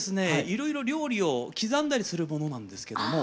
いろいろ料理を刻んだりするものなんですけども。